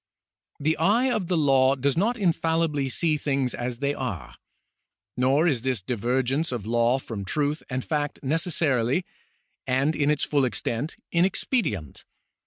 The eye of the law does not infallibly see things as they are. Nor is this divergence of law from truth and fact necessarily, and in its full extent, inexpedient.